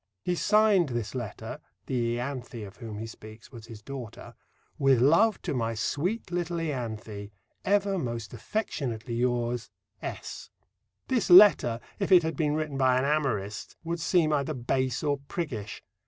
He signed this letter (the Ianthe of whom he speaks was his daughter): With love to my sweet little Ianthe, ever most affectionately yours, S. This letter, if it had been written by an amorist, would seem either base or priggish.